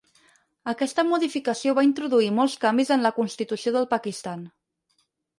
Aquesta modificació va introduir molts canvis en la constitució del Pakistan.